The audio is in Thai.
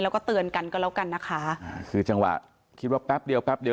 แล้วก็เตือนกันก็แล้วกันนะคะอ่าคือจังหวะคิดว่าแป๊บเดียวแป๊บเดียว